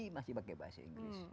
pelatihannya pakai bahasa inggris